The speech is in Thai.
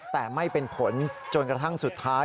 แต่ไม่เป็นผลจนกระทั่งสุดท้าย